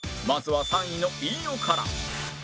まずは３位の飯尾から